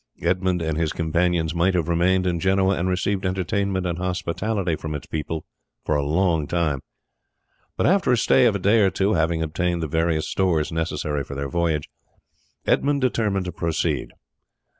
Edmund and his companions might have remained in Genoa and received entertainment and hospitality from its people for a long time; but after a stay of a day or two, and having obtained the various stores necessary for their voyage, Edmund determined to proceed.